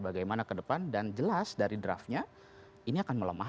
bagaimana ke depan dan jelas dari draftnya ini akan melemahkan bahkan melumpuhkan kpk